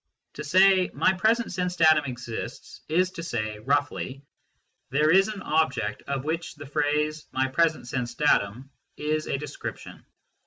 To say " My present sense datum exists " is to say (roughly) :" There is an object of which my present sense datum is a description."